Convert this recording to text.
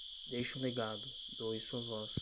Deixe um legado, doe sua voz